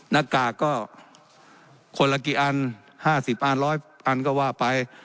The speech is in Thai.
น้ากาก็คนละกี่อันห้าสิบอันร้อยอันก็ว่าไป